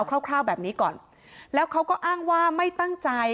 คร่าวแบบนี้ก่อนแล้วเขาก็อ้างว่าไม่ตั้งใจ